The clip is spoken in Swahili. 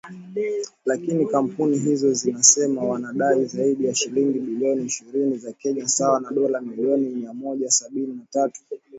Lakini kampuni hizo zinasema wanadai zaidi ya shilingi bilioni ishirini za Kenya sawa na dola milioni mia moja sabini na tatu